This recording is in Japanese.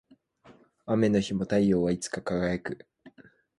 雨の日も太陽はいつか輝く